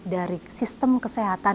dari sistem kesehatan